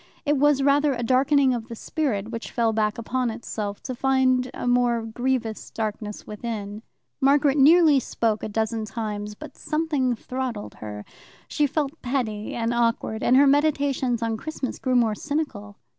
It was rather a darkening of the spirit which fell back upon itself, to find a more grievous darkness within. Margaret nearly spoke a dozen times, but something throttled her. She felt petty and awkward, and her meditations on Christmas grew more cynical.